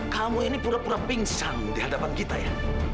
kamu ini purah purah pingsan di hadapan kita ya